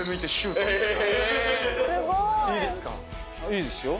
いいですよ。